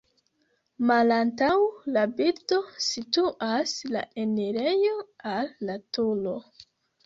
Malantaŭ la bildo situas la enirejo al la turo.